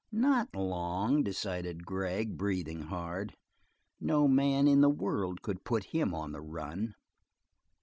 Not long, decided Gregg, breathing hard; no man in the world could put him on the run.